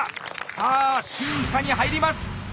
さあ審査に入ります！